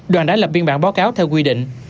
đoàn đã lập biên bản báo cáo theo quy định